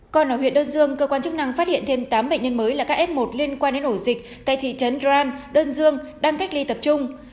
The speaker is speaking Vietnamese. còn ở huyện đơn dương cơ quan chức năng phát hiện thêm tám bệnh nhân mới là các f một liên quan đến ổ dịch tại thị trấn gran đơn dương đang cách ly tập trung